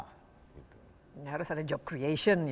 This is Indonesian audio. harus ada job creation